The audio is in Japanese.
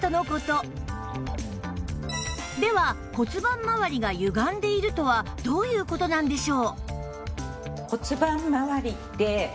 では骨盤まわりがゆがんでいるとはどういう事なんでしょう？